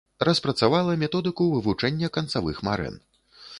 Распрацавала методыку вывучэння канцавых марэн.